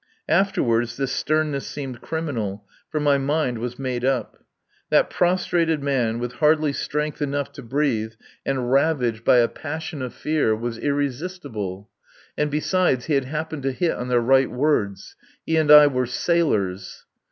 Afterward this sternness seemed criminal; for my mind was made up. That prostrated man, with hardly strength enough to breathe and ravaged by a passion of fear, was irresistible. And, besides, he had happened to hit on the right words. He and I were sailors.